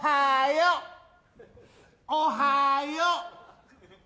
おはよう。